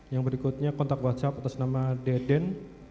yang berikutnya kontak whatsapp atas nama deden